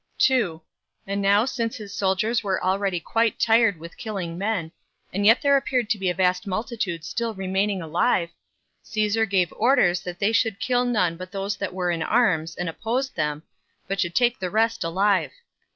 2. And now, since his soldiers were already quite tired with killing men, and yet there appeared to be a vast multitude still remaining alive, Caesar gave orders that they should kill none but those that were in arms, and opposed them, but should take the rest alive.